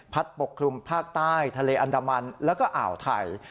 ปกคลุมภาคใต้ทะเลอันดามันแล้วก็อ่าวไทย